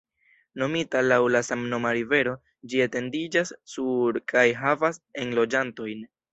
Nomita laŭ la samnoma rivero, ĝi etendiĝas sur kaj havas enloĝantojn.